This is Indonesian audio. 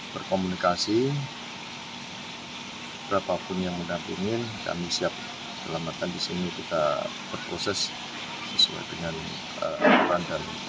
berkomunikasi berapapun yang menampungin kami siap selamatkan disini kita proses sesuai dengan